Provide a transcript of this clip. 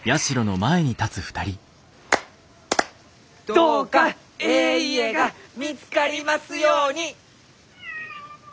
どうかえい家が見つかりますように！